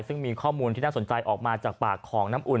ซึ่งมีข้อมูลที่น่าสนใจออกมาจากปากของน้ำอุ่น